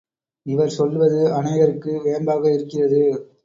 இவர் சொல்வது அநேகருக்கு வேம்பாக இருக்கிறது.